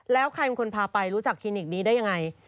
แล้วใครเป็นคนพาไปรู้จักคลินิกนี้ได้ยังไง